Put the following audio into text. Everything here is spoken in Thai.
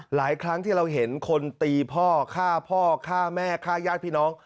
หลายครั้งที่เราเห็นคนตีพ่อฆ่าพ่อฆ่าแม่ฆ่าญาติพี่น้อง